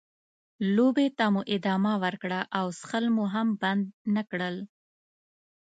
لوبې ته مو ادامه ورکړه او څښل مو هم بند نه کړل.